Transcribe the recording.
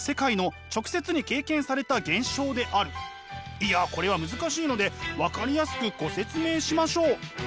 いやこれは難しいので分かりやすくご説明しましょう。